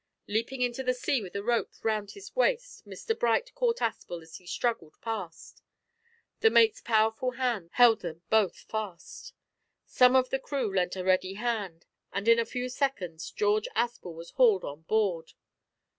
Leaping into the sea with a rope round his waist, Mr Bright caught Aspel as he struggled past. The mate's powerful hands held them both fast. Some of the crew lent a ready hand, and in a few seconds George Aspel was hauled on board.